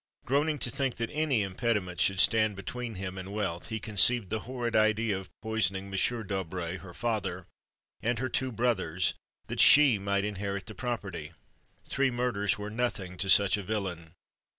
Groaning to think that any impediment should stand between him and wealth, he conceived the horrid idea of poisoning M. D'Aubray her father, and her two brothers, that she might inherit the property. Three murders were nothing to such a villain.